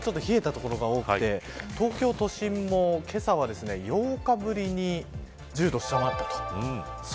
そんな中なんですけどけさはわりと冷えた所が多くて東京都心もけさは８日ぶりに１０度を下回ったと。